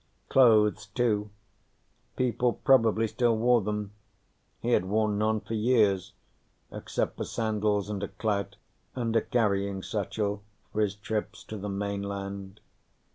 Clothes, too. People probably still wore them. He had worn none for years, except for sandals and a clout and a carrying satchel for his trips to the mainland.